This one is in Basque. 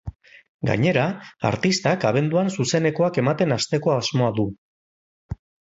Gainera, artistak abenduan zuzenekoak ematen hasteko asmoa du.